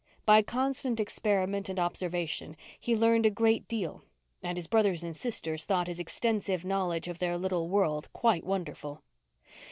By constant experiment and observation he learned a great deal and his brothers and sisters thought his extensive knowledge of their little world quite wonderful.